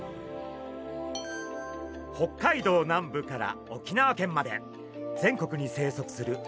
北海道南部から沖縄県まで全国に生息するアオリイカ。